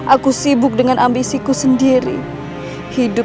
aku sibuk dengan ambisiku sendiri hidup